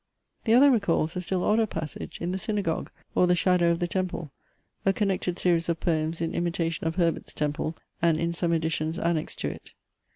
The other recalls a still odder passage in THE SYNAGOGUE: or THE SHADOW OF THE TEMPLE, a connected series of poems in imitation of Herbert's TEMPLE, and, in some editions, annexed to it.